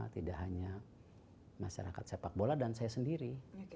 tidak hanya masyarakat sepak bola dan saya sendiri